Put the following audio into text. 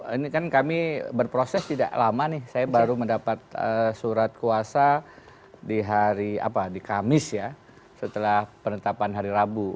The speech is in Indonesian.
ini kan kami berproses tidak lama nih saya baru mendapat surat kuasa di kamis setelah penetapan hari rabu